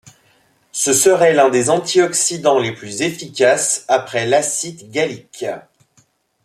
Ce serait l'un des antioxydants les plus efficaces après l'acide gallique.